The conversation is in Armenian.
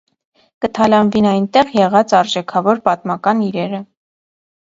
Կը թալանուին այնտեղ եղած արժէքաւոր պատմական իրերը։